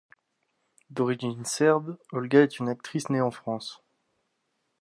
D'origine serbe, Olga est une actrice née en France.